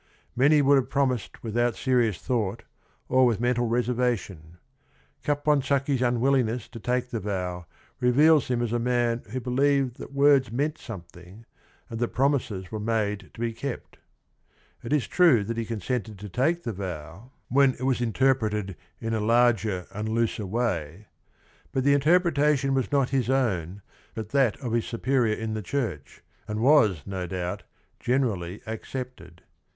Many would have promised without seri ous thought or with mental reservation. Capon sacchi's unwihMngn£ss fc€r take the vow reveals him as a man who believed that words meant something and that promises were made to be kept It is tr ue that he consented to take~t he vow when it was interpreted in a larger an d looser way; but the interpretation was not his own but that of his superior in the church, and was, no doubt, generally accepted.